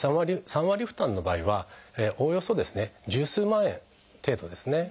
３割負担の場合はおおよそ十数万円程度ですね。